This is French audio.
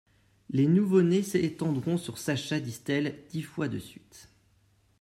Les nouveau-nés s'étendront sur Sacha Distel dix fois de suite.